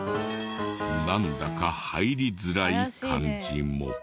なんだか入りづらい感じも。